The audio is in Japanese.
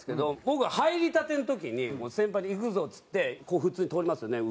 僕が入りたての時に先輩が「行くぞ」って言ってこう普通に取りますよね